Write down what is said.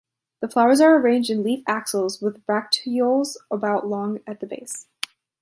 The flowers are arranged in leaf axils with bracteoles about long at the base.